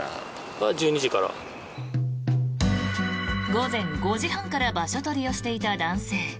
午前５時半から場所取りをしていた男性。